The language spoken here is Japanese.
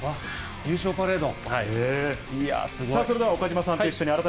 優勝パレード。